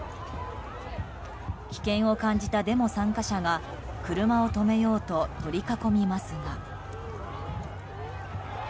危険を感じたデモ参加者が車を止めようと取り囲みますが。